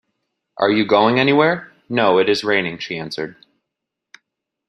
‘Are you going anywhere?’ ‘No, it is raining,’ she answered.